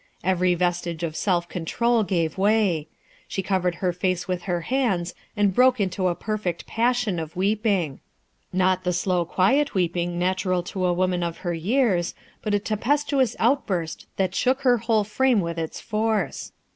Every vestige of self control gave way; she covered her face with her hands and broke into a per fect passion of weeping. Not the slow quiet weeping natural to a woman of her years, but a tempestuous outburst that shook her whole frame with its force.